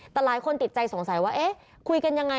แต่หลายคนติดใจสงสัยว่าเอ๊ะคุยกันยังไง